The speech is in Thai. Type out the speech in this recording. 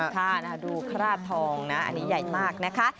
ค่ะดูคราบทองนะอันนี้ใหญ่มากนะคะ